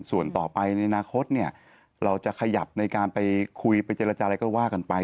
ส่วนต่อไปในอนาคตเนี่ยเราจะขยับในการไปคุยไปเจรจาอะไรก็ว่ากันไป